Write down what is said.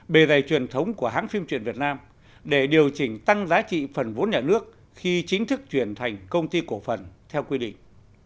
bề dày truyền thống của hãng phim truyện việt nam để điều chỉnh tăng giá trị phần vốn nhà nước khi chính thức chuyển thành công ty cổ phần theo quy định